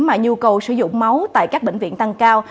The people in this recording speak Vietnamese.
mà nhu cầu sử dụng máu tại các bệnh viện tăng cao